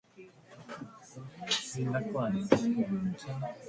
Corona Australis' location near the Milky Way means that galaxies are uncommonly seen.